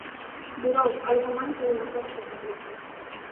Durou algo máis de dúas horas e media.